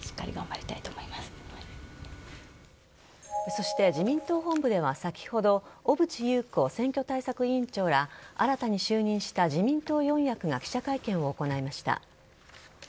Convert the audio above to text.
そして自民党本部では先ほど小渕優子選挙対策委員長ら新たに就任した自民党四役が記者会見を行いました。